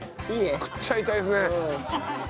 食っちゃいたいですね。